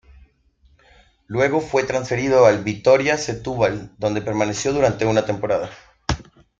Luego fue transferido al Vitória Setúbal donde permaneció durante una temporada.